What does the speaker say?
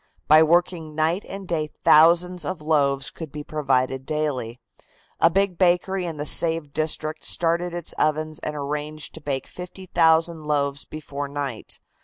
By working night and day thousands of loaves could be provided daily. A big bakery in the saved district started its ovens and arranged to bake 50,000 loaves before night.